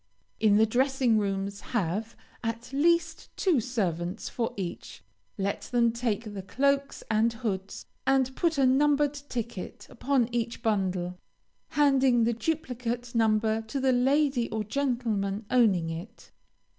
In the dressing rooms have, at least, two servants for each. Let them take the cloaks and hoods, and put a numbered ticket upon each bundle, handing the duplicate number to the lady or gentleman owning it.